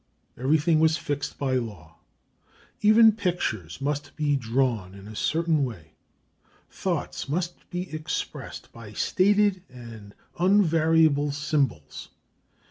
Everything was fixed by law; even pictures must be drawn in a certain way, thoughts must be expressed by stated and unvariable symbols.